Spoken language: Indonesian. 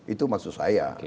itu maksud saya